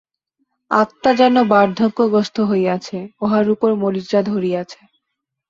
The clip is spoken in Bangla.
আত্মা যেন বার্ধক্যগ্রস্ত হইয়াছে, উহার উপর মরিচা ধরিয়াছে।